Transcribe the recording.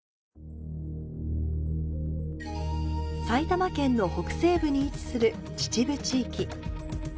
埼玉の北西部に位置する秩父地域。